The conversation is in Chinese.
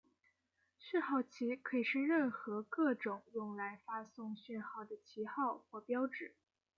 讯号旗可以是任何各种用来发送讯号的旗号或标志。